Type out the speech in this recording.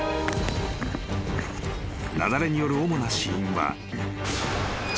［雪崩による主な死因は］